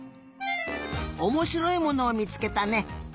おもしろいものをみつけたね。